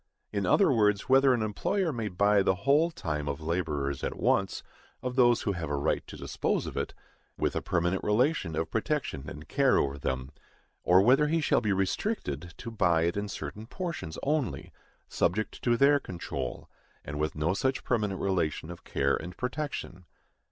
In other words, whether an employer may buy the whole time of laborers at once, of those who have a right to dispose of it, with a permanent relation of protection and care over them; or whether he shall be restricted to buy it in certain portions only, subject to their control, and with no such permanent relation of care and protection.